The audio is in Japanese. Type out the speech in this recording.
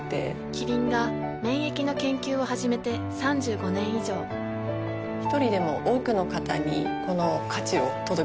キリンが免疫の研究を始めて３５年以上一人でも多くの方にこの価値を届けていきたいと思っています。